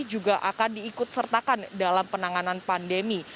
juga akan diikut sertakan dalam penanganan pandemi